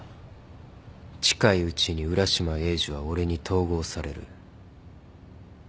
近いうちに浦島エイジは俺に統合される。